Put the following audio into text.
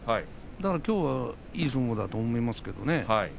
だからきょうは、いい相撲だと思いますけどね。